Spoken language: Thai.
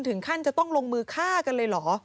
ที่มันก็มีเรื่องที่ดิน